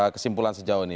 kesimpulan sejauh ini